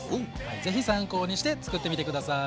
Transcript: ぜひ参考にしてつくってみて下さい！